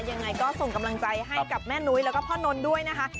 ยังไงก็ส่งกำลังใจให้กับแม่นุ้ยแล้วก็พ่อนนท์ด้วยนะคะ